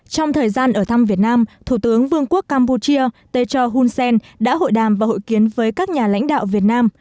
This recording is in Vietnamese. trong thời gian ở thăm việt nam thủ tướng vương quốc campuchia techo hun sen đã hội đàm và hội kiến với các nhà lãnh đạo việt nam